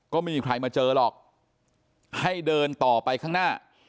ก็ไม่มีใครมาเจอหรอกให้เดินต่อไปข้างหน้า